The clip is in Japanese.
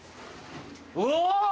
うわ！